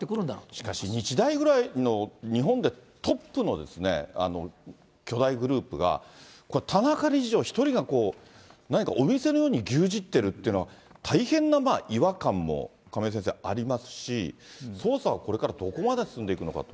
しかし日大ぐらいの、日本でトップの巨大グループが、これ、田中理事長１人が何かお店のように牛耳ってるっていうのは、大変な違和感も、亀井先生、ありますし、捜査はこれからどこまで進んでいくのかと。